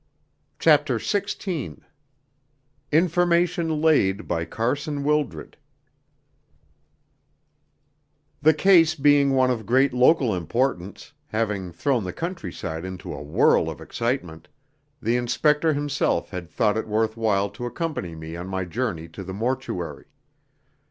CHAPTER XVI Information Laid by Carson Wildred The case being one of great local importance, having thrown the countryside into a whirl of excitement, the inspector himself had thought it worth while to accompany me on my journey to the mortuary.